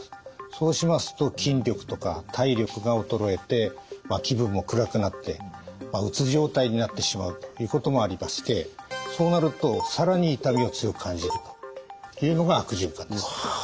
そうしますと筋力とか体力が衰えて気分も暗くなってうつ状態になってしまうということもありましてそうなると更に痛みを強く感じるというのが悪循環です。